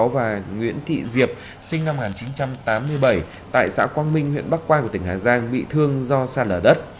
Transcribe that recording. và nguyễn thị diệp sinh năm một nghìn chín trăm tám mươi bảy tại xã quang minh huyện bắc quang của tỉnh hà giang bị thương do sạt lở đất